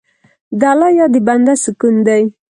د الله یاد د بنده سکون دی.